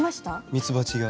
ミツバチが。